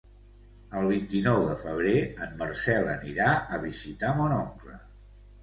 El vint-i-nou de febrer en Marcel anirà a visitar mon oncle.